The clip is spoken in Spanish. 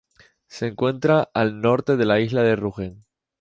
Se encuentra al norte de la isla de Rügen.